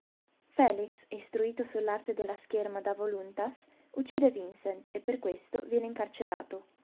Felix, istruito sull’arte della scherma da Voluntas, uccide Vincent, e per questo viene incarcerato.